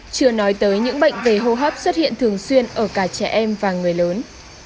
chưa nói tới những bệnh về hô hấp xuất hiện thường xuyên ở cả trẻ em và người lớn